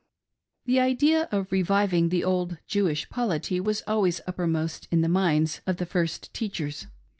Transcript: The idea of reviving the old Jewish polity was always upper most in the minds of the first teachers.